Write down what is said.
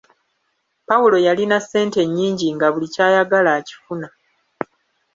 Pawulo yalina ssente nnyingi nga buli ky'ayagala akifuna!